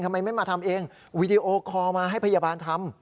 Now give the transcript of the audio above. ทำไมไม่มาทำเองวีดีโอคอลมาให้พยาบาลทำ